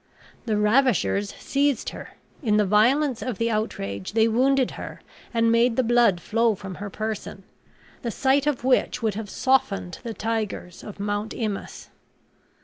The ravishers seized her; in the violence of the outrage they wounded her, and made the blood flow from a person, the sight of which would have softened the tigers of Mount Imaus.